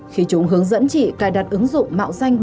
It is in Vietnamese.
khi chúng hướng dẫn các đối tượng điện thoại